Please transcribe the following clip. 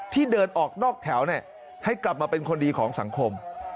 ที่เดินออกนอกแถวให้กลับมาเป็นคนดีของสังคม